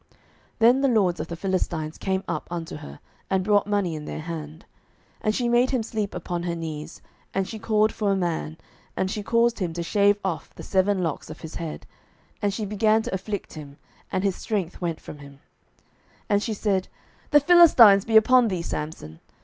Then the lords of the Philistines came up unto her, and brought money in their hand. 07:016:019 And she made him sleep upon her knees; and she called for a man, and she caused him to shave off the seven locks of his head; and she began to afflict him, and his strength went from him. 07:016:020 And she said, The Philistines be upon thee, Samson.